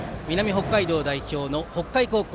北海道代表の北海高校。